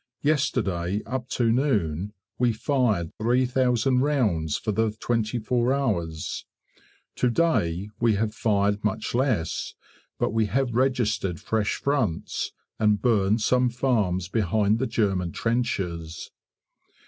Yesterday up to noon we fired 3000 rounds for the twenty four hours; to day we have fired much less, but we have registered fresh fronts, and burned some farms behind the German trenches.